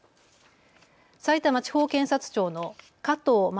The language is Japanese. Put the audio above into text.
さいたま地方検察庁の加藤匡